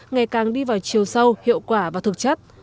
ngày càng đi vào chiều sâu hiệu quả và thực chất